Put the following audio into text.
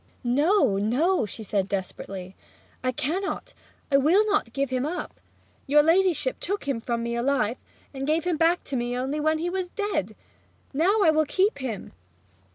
'No, no,' she said desperately, 'I cannot, I will not give him up! Your ladyship took him away from me alive, and gave him back to me only when he was dead. Now I will keep him!